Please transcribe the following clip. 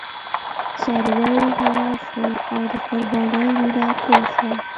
څاروي حلال شول او د قربانۍ وینه توی شوه.